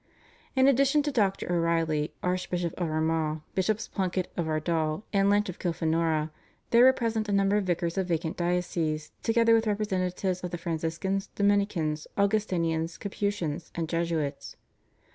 In addition to Dr. O'Reilly, Archbishop of Armagh, Bishops Plunkett of Ardagh, and Lynch of Kilfenora, there were present a number of vicars of vacant dioceses together with representatives of the Franciscans, Dominicans, Augustinians, Capuchins, and Jesuits.